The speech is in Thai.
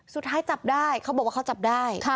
สุดท้ายจับได้เขาบอกว่าเขาจับได้